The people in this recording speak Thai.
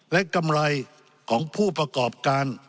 และกำไรของผู้ประกอบการ